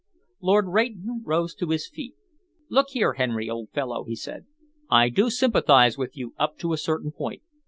Lord Rayton rose to his feet. "Look here, Henry, old fellow," he said, "I do sympathise with you up to a certain point.